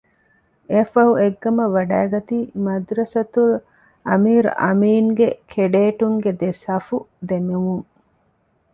އެއަށްފަހު އެއްގަމަށް ވަޑައިގަތީ މަދްރަސަތުލް އަމީރު އަމީނުގެ ކެޑޭޓުންގެ ދެ ސަފު ދެމުމުން